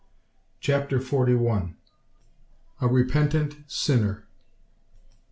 CHAPTER FORTY ONE. A REPENTANT SINNER.